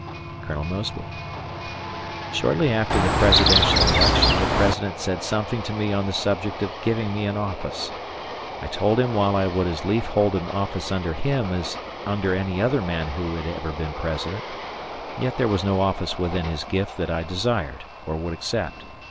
Colonel Mosby: "Shortly after the presidential election the President said something to me on the subject of giving me an office. I told him while I would as lief hold an office under him as under any other man who had ever been President, yet there was no office within his gift that I desired or would accept.